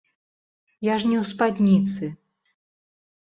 Я ж не ў спадніцы.